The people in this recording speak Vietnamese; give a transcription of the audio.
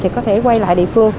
thì có thể quay lại địa phương